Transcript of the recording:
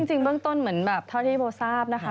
จริงเบื้องต้นเหมือนแบบเท่าที่โบทราบนะคะ